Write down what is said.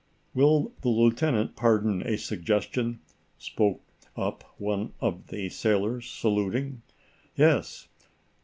"Will the Lieutenant pardon a suggestion?" spoke up one of the sailors, saluting. "Yes."